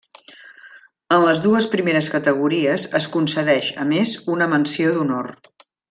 En les dues primeres categories es concedeix a més una menció d'honor.